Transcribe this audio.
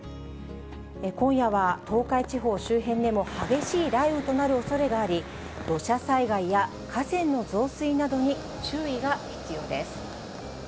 今夜は東海地方周辺でも激しい雷雨となるおそれがあり、土砂災害や河川の増水などに注意が必要です。